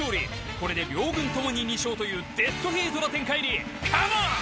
これで両軍ともに２勝というデッドヒートの展開にカモン！